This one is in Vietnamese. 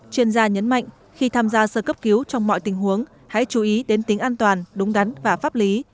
chuyên gia nhấn mạnh khi tham gia sơ cấp cứu trong mọi tình huống hãy chú ý đến tính an toàn đúng đắn và pháp lý